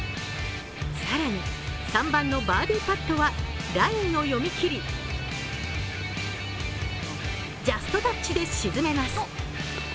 更に、３番のバーディーパットはラインを読み切り、ジャストタッチで沈めます。